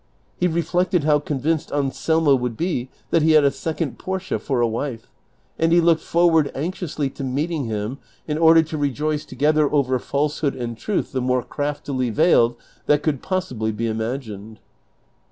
He reHected how convinced Anselmo would be tliat he had a second Portia for a wife, and he looked forward anxiously to meeting him in order to rejoice together over falsehood and truth the most craftily veiled that could possibly be imagined.